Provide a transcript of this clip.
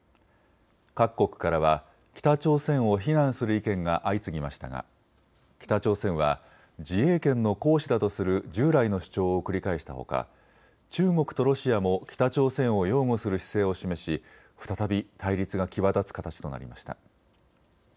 各国からは北朝鮮を非難する意見が相次ぎましたが北朝鮮は自衛権の行使だとする従来の主張を繰り返したほか中国とロシアも北朝鮮を擁護する姿勢を示し再び対立が際立つ形となりました。